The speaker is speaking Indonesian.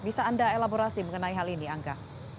bisa anda elaborasi mengenai hal ini angga